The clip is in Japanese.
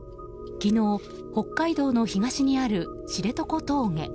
昨日、北海道の東にある知床峠。